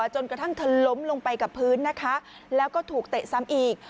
จนกระทั่งเธอล้มลงไปกับพื้นนะคะแล้วก็ถูกเตะซ้ำอีก